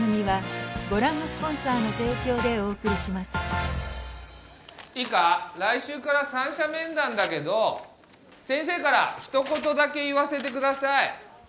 フフッいいか来週から三者面談だけど先生から一言だけ言わせてください